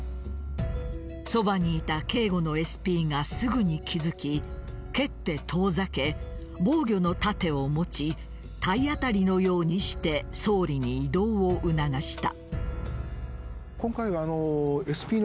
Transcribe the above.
そばにいた警護のＳＰがすぐに気付き蹴って遠ざけ、防御の盾を持ち体当たりのようにして総理に移動を促した。